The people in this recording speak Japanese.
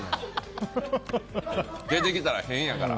出てきたら変やから！